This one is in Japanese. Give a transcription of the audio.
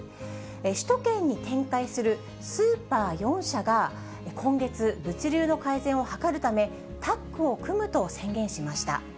首都圏に展開するスーパー４社が今月、物流の改善を図るため、タッグを組むと宣言しました。